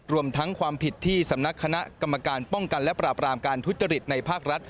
รวมทั้งความผิดที่สำนักคณะกรรมการป้องกันและปราบรามการทุจริตในภาครัฐ